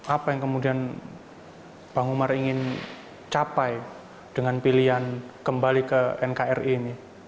apa yang kemudian bang umar ingin capai dengan pilihan kembali ke nkri ini